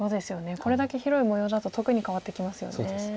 これだけ広い模様だと特に変わってきますよね。